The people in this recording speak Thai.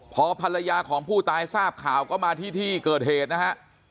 พอภรรยาของผู้ตายทราบข่าวก็มาที่ที่เกิดเหตุนะฮะ